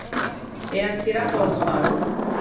e ha tirato lo spago.